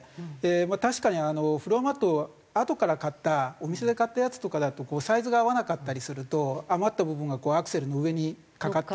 確かにフロアマットをあとから買ったお店で買ったやつとかだとサイズが合わなかったりすると余った部分がアクセルの上にかかってしまっていて。